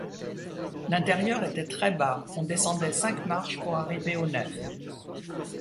L’intérieur était très bas, on descendait cinq marches pour arriver aux nefs.